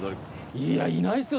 いやいないっすよ